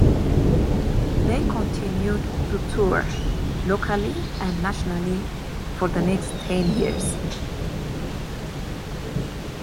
They continued to tour, locally and nationally, for the next ten years.